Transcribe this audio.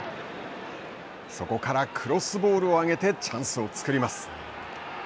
そこからクロスボールを上げてチャンスを作ります。